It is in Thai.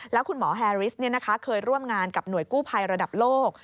แล้วคุณหมอแฮริสเคยร่วมงานกับหน่วยกู้ภัยระดับโลก